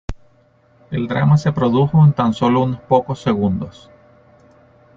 El drama se produjo en tan solo unos pocos segundos.